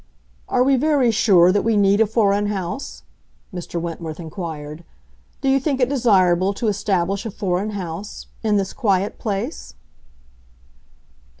"Are we very sure that we need a foreign house?" Mr. Wentworth inquired. "Do you think it desirable to establish a foreign house—in this quiet place?"